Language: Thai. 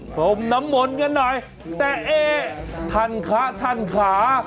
พรมน้ำมนต์กันหน่อยแต่เอ๊ท่านคะท่านค่ะ